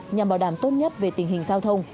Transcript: nhằm bảo đảm tốt nhất về tình hình giao thông